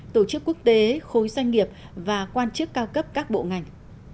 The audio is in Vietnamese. tổ chức quốc tế khối doanh nghiệp và quan chức cao cấp các bộ ngành